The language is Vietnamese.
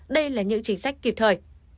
đây là những chính sách kịp thời